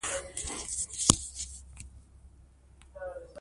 زمری او بریالی ښه ټینګ انډیوالان دي.